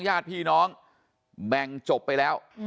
ญาติพี่น้องแบ่งจบไปแล้ว